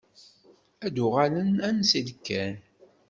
Ad uɣalen ansa i d-kkan.